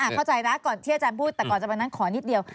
เข้าใจนะก่อนที่อาจารย์พูดแต่ก่อนจะวันนั้นขอนิดเดียว